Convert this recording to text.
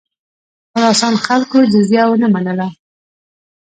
خراسان خلکو جزیه ونه منله.